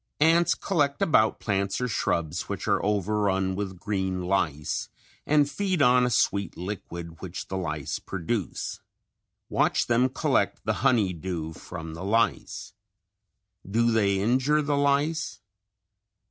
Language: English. Ants collect about plants or shrubs which are overrun with green lice, and feed on a sweet liquid which the lice produce. Watch them collect the honey dew from the lice. Do they injure the lice?